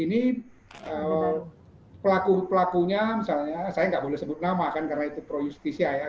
ini pelaku pelakunya misalnya saya nggak boleh sebut nama kan karena itu pro justisia ya